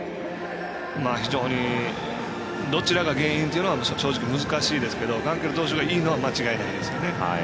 非常にどちらが原因というのは正直難しいですけどガンケル投手がいいのは間違いないですよね。